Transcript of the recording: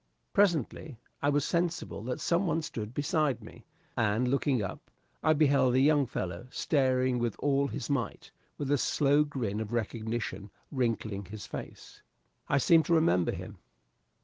Presently, I was sensible that some one stood beside me, and looking up, I beheld a young fellow staring with all his might, with a slow grin of recognition wrinkling his face. I seemed to remember him.